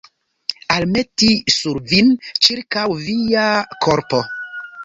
Almeti sur vin, ĉirkaŭ via korpo.